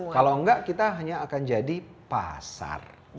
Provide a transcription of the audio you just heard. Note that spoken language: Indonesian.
kalau enggak kita hanya akan jadi pasar